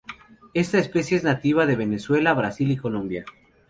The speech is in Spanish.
Esta especie es nativa de Venezuela, Brasil y Colombia.